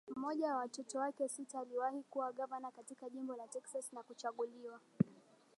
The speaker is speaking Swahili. mmoja wa watoto wake sita aliwahi kuwa gavana katika jimbo la Texas na kuchaguliwa